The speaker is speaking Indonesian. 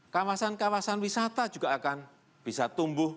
kawasan kawasan wisata juga akan bisa tumbuh